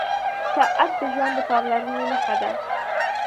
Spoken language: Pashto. • ساعت د ژوند د پاملرنې نښه ده.